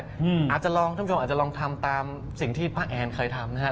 ท่านผู้ชมอาจจะลองทำตามสิ่งที่พระแอนเคยทำ